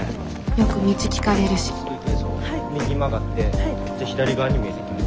よく道聞かれるし右曲がって左側に見えてきます。